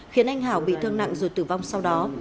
khiến anh hảo bị thương nặng rồi tử vong sau đó